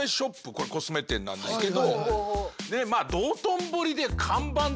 これコスメ店なんですけど。